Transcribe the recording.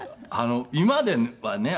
今ではね